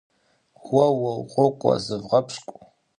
Уэуэу, къокӏуэр, зывгъэпщкӏу!